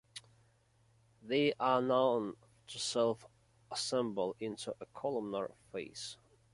They are known to self-assemble into a columnar phase.